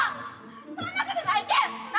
そんなことないけん！な？